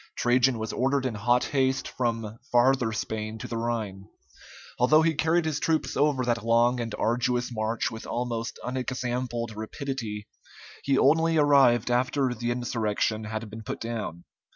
Trajan was ordered in hot haste from Farther Spain to the Rhine. Although he carried his troops over that long and arduous march with almost unexampled rapidity, he only arrived after the insurrection had been put down.